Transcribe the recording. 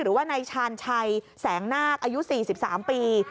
หรือว่านายชาญชัยแสงนาคอายุ๔๓ปี